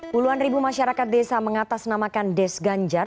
puluhan ribu masyarakat desa mengatasnamakan des ganjar